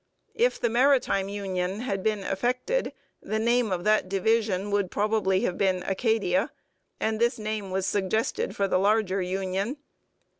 If the maritime union had been effected, the name of that division would probably have been Acadia, and this name was suggested for the larger union.